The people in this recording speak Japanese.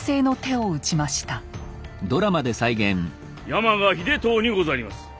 山鹿秀遠にございます。